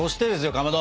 かまど！